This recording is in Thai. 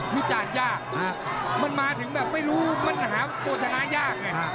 วิจารณ์ยากมันมาถึงแบบไม่รู้มันหาตัวชนะยากไง